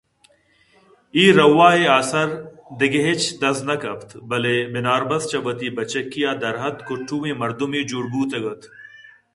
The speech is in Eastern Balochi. اے رو ءُآ ءِ آسر دگہ ہچ دز نہ کپت بلئے بناربس چہ وتی بچکی ءَ در اتک ءُٹوہیں مردمے جوڑ بوتگ اَت